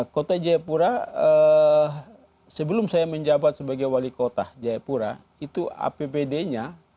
kota jayapura sebelum saya menjabat sebagai wali kota jayapura itu apbd nya